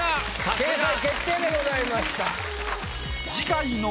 掲載決定でございました。